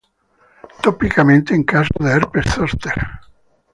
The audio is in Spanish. Tópicamente en casos de herpes zóster.